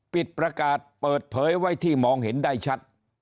ปิดประกาศเปิดเผยไว้ที่มองเห็นได้ชัด